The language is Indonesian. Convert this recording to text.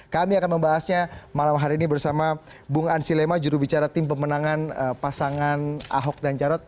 kami akan membahasnya malam hari ini bersama bung ansi lema jurubicara tim pemenangan pasangan ahok dan jarot